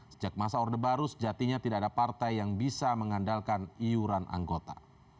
sejak masa orde baru sejatinya tidak ada partai yang bisa mengandalkan iuran anggota